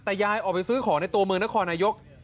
แต่ยายออกไปซื้อของในตัวเมืองนครนายก